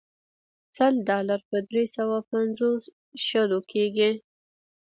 سل ډالر په درې سوه پنځوس شلو کېږي.